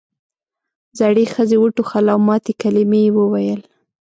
زړې ښځې وټوخل او ماتې کلمې یې وویل.